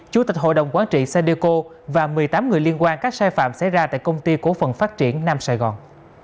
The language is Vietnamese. chủ tịch hội đồng quán trị sadiko và một mươi tám người liên quan các sai phạm xảy ra tại công ty cố phận phát triển nam sài gòn